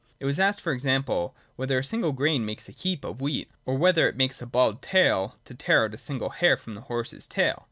It was asked, for example, whether a single grain makes a heap of wheat, or whether it makes a bald tail to tear out a single hair from the horse's tail.